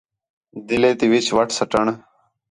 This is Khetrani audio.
دِلہ تی وِچ وَٹ سَٹّݨ